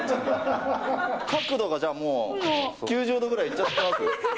角度がじゃあ、もう９０度ぐらいいっちゃってます？